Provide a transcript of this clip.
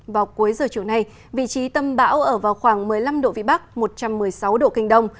vào cuối giờ chiều nay vị trí tâm bão ở vào khoảng một mươi năm độ vĩ bắc một trăm một mươi sáu độ kinh đông